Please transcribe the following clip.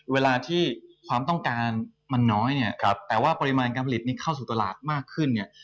เวลาที่ความต้องการมันน้อยเนี่ยแต่ว่าปริมาณการผลิตนี้เข้าสู่ตลาดมากขึ้นเนี่ย